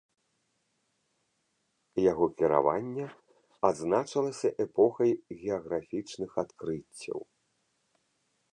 Яго кіраванне адзначылася эпохай геаграфічных адкрыццяў.